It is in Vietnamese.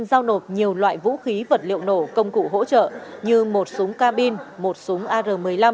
người dân giao nộp nhiều loại vũ khí vật liệu nổ công cụ hỗ trợ như một súng carbine một súng ar một mươi năm